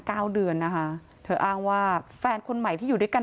เก้าเดือนนะคะเธออ้างว่าแฟนคนใหม่ที่อยู่ด้วยกัน